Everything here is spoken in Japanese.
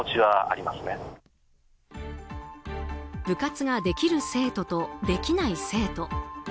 部活ができる生徒とできない生徒。